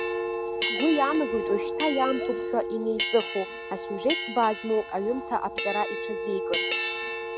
Ҳгәы иаанагоит уажәшьҭа иаамҭоуп ҳәа инеиҵыху, асиужет ҭбаа змоу аҩымҭа аԥҵара иҽазикыр.